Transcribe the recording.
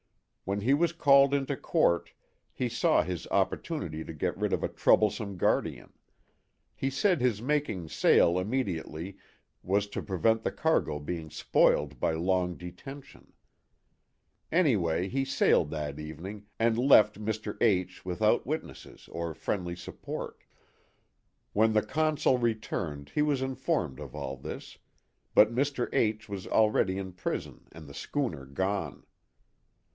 When he was called into court he saw his opportunity to get rid of a troublesome guardian ; he said his making sail immediately was to prevent the cargo being spoiled by long detention ; any way he sailed that evening and THE HAT OF THE POSTMASTER. 149 left Mr. H without witnesses or friendly support. When the Consul returned he was informed of all this ; but Mr. H was already in prison and the schooner gone.